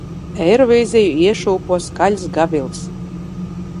Eirovīziju iešūpo skaļas gaviles.